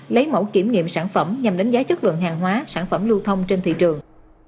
lấy mẫu kiểm nghiệm sản phẩm nhằm đánh giá chất lượng hàng hóa sản phẩm lưu thông trên thị trường